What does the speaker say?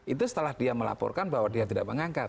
itu setelah dia melaporkan bahwa dia tidak mengangkat